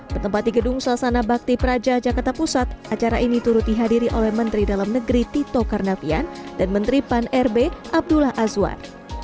bertempat di gedung sasana bakti praja jakarta pusat acara ini turut dihadiri oleh menteri dalam negeri tito karnavian dan menteri pan rb abdullah azwar